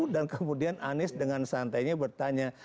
dan kemudian anies dengan santainya bertanya